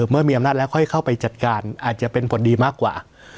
เมื่อมีอำนาจแล้วค่อยเข้าไปจัดการอาจจะเป็นผลดีมากกว่า